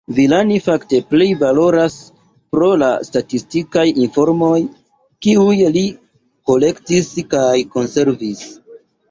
Villani fakte plej valoras pro la statistikaj informoj, kiujn li kolektis kaj konservis.